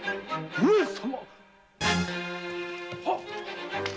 上様。